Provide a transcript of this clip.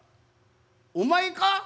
お前か？